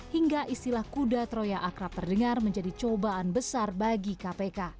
hingga istilah kuda troya akrab terdengar menjadi cobaan besar bagi kpk